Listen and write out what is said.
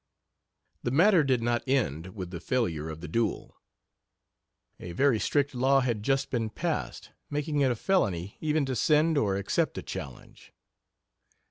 The matter did not end with the failure of the duel. A very strict law had just been passed, making it a felony even to send or accept a challenge.